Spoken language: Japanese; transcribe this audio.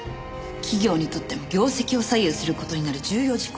企業にとっても業績を左右する事になる重要事項。